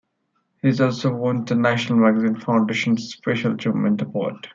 He's also won the National Magazine Foundation Special Achievement Award.